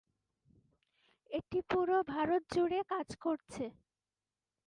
এটি পুরো ভারত জুড়ে কাজ করছে।